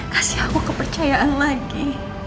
kasih aku kepercayaan lagi